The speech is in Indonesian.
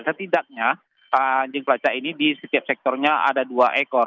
setidaknya anjing pelacak ini di setiap sektornya ada dua ekor